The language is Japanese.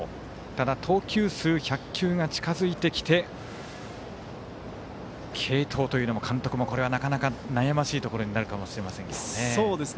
ただ、投球数１００球が近づいてきて継投というのも監督はなかなか悩ましいところになるかもしれませんね。